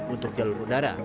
untuk jalur udara